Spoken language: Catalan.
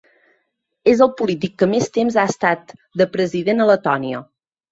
És el polític que més temps ha estat de president a Letònia.